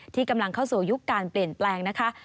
ที่กำลังเข้าสู่ยุคการเปลี่ยนแปลงนะคะ